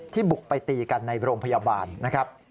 บุกไปตีกันในโรงพยาบาลนะครับ